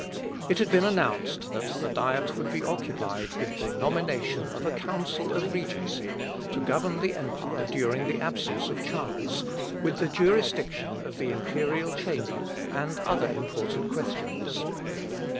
It had been announced that the Diet would be occupied with the nomination of a council of regency to govern the empire during the absence of Charles, with the jurisdiction of the imperial chamber, and other important questions.